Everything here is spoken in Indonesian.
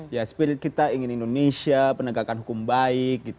ya spirit kita ingin indonesia penegakan hukum baik gitu